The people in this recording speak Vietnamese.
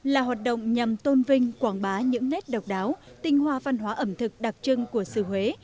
là hoạt động nhằm tôn vinh quảng bá những nét độc đáo tinh hoa văn hóa ẩm thực đặc trưng của xứ huế